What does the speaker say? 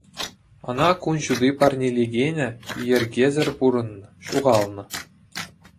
Ӑна кун ҫути парнелекенӗ йӗркесӗр пурӑннӑ, ҫухалнӑ.